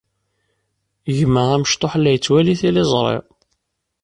Gma amecṭuḥ la yettwali tiliẓri.